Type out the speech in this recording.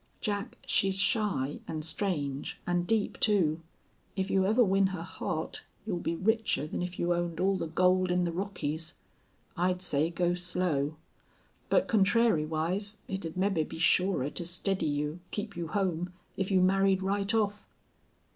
Jack, she's shy an' strange, an' deep, too. If you ever win her heart you'll be richer than if you owned all the gold in the Rockies. I'd say go slow. But contrariwise, it'd mebbe be surer to steady you, keep you home, if you married right off."